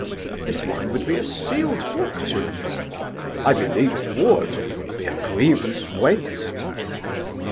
"This wine would be a scaled book to them." "I believe it would. It would be a grievous waste."